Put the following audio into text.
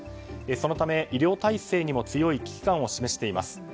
そのため、医療体制にも強い危機感を示しています。